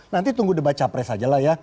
nanti tunggu udah baca pres aja lah ya